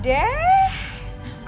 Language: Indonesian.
dari cabut ya